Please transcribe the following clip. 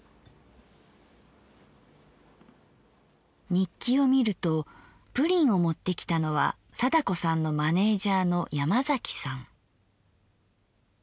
日記を見るとプリンを持ってきたのは貞子さんのマネージャーの山崎さん。